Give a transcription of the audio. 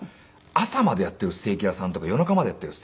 朝までやっているステーキ屋さんとか夜中までやっている。